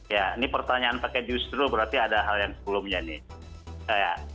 ya ini pertanyaan pakai justru berarti ada hal yang sebelumnya nih